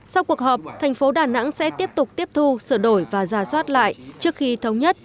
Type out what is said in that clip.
sau cuộc họp thành phố đà nẵng sẽ tiếp tục tiếp thu sửa đổi và giả soát lại trước khi thống nhất